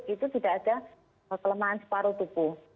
itu tidak ada kelemahan separuh tubuh